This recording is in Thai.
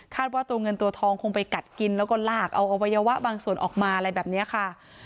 ว่าตัวเงินตัวทองคงไปกัดกินแล้วก็ลากเอาอวัยวะบางส่วนออกมาอะไรแบบนี้ค่ะ